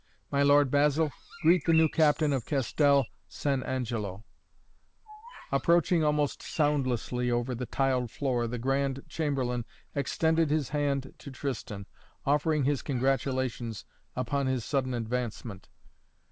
My Lord Basil greet the new captain of Castel San Angelo " Approaching almost soundlessly over the tiled floor, the Grand Chamberlain extended his hand to Tristan, offering his congratulations upon his sudden advancement.